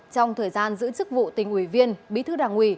trong thời gian giữ chức vụ tỉnh ủy viên bí thư đảng ủy